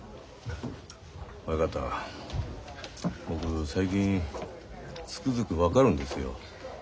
親方僕最近つくづく分かるんですよ。